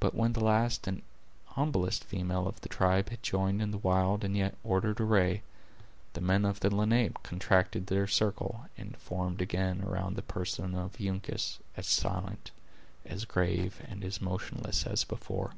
But when the last and humblest female of the tribe had joined in the wild and yet ordered array, the men of the Lenape contracted their circle, and formed again around the person of Uncas, as silent, as grave, and as motionless as before.